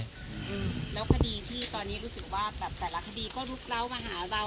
อืมแล้วคดีที่ตอนนี้รู้สึกว่าแบบแต่ละคดีก็ลุกเล้ามาหาเรา